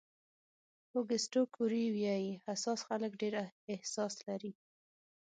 اوګسټو کوري وایي حساس خلک ډېر احساس لري.